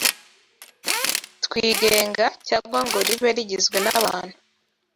twigenga cyangwa ngo ribe rigizwe n’abantu